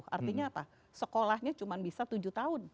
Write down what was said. artinya apa sekolahnya cuma bisa tujuh tahun